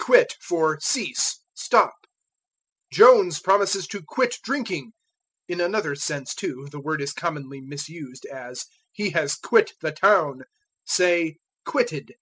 Quit for Cease, Stop. "Jones promises to quit drinking." In another sense, too, the word is commonly misused, as, "He has quit the town." Say, quitted.